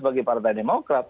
bagi partai demokrat